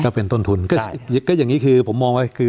ก็เป็นต้นทุนก็อย่างนี้คือผมมองว่าคือ